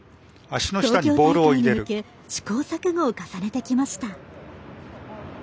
東京大会に向け試行錯誤を重ねてきました。